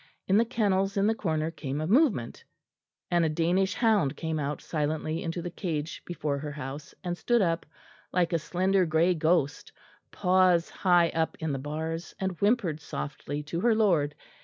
In the kennels in the corner came a movement, and a Danish hound came out silently into the cage before her house, and stood up, like a slender grey ghost, paws high up in the bars, and whimpered softly to her lord.